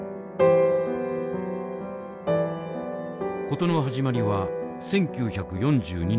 事の始まりは１９４２年１月。